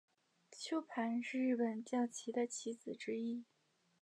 鸠盘是日本将棋的棋子之一。